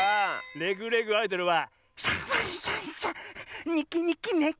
「レグ・レグ・アイドル」は。